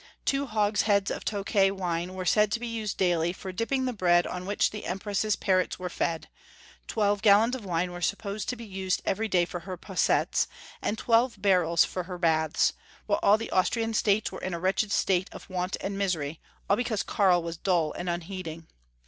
Two hogsheads of Tokay wine were said to be used daily for dipping the bread on which the Empress's parrots were fed, twelve gallons of wine were supposed to be used every Karl VI. 891 day for her possetts, and twelve barrels for her baths, while all the Austrian states were in a wretched state of want and misery, all because Karl was dull and unheeding.